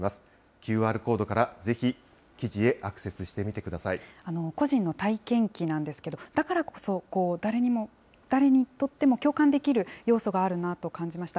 ＱＲコードからぜひ、記事へアク個人の体験記なんですけど、だからこそ、誰にとっても共感できる要素があるなと感じました。